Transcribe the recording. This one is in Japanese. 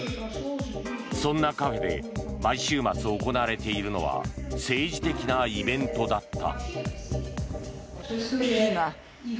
そんなカフェで毎週末、行われているのは政治的なイベントだった。